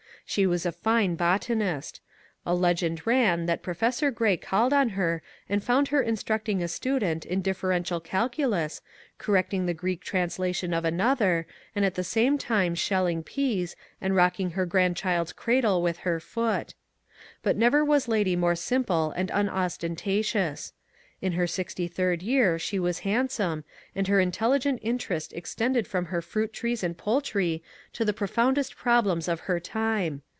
She was a fine bot anist. A legend ran that Professor Gray called on her and found her instructing a student in differential calculus, cor recting the Greek translation of another, and at the same time shelling peas, and rocking her grandchild's cradle with her foot. But never was lady more simple and unostentatious. In her sixty third year she was handsome, and her intelligent interest extended from her fruit trees and poultry to the pro foundest problems of her time.